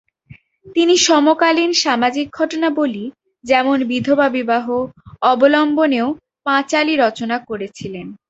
তিনি সমকালীন সামাজিক ঘটনাবলি, যেমন বিধবা বিবাহ, অবলম্বনেও পাঁচালী রচনা করেছিলেন।